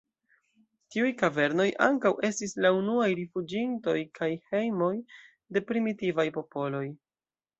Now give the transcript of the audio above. Tiuj kavernoj ankaŭ estis la unuaj rifuĝintoj kaj hejmoj de primitivaj popoloj.